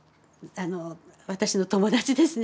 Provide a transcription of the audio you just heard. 私の友達ですね